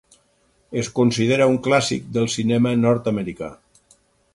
Es considera un clàssic del cinema nord-americà.